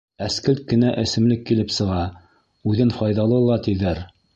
Әскелт кенә эсемлек килеп сыға, үҙен файҙалы ла, тиҙәр.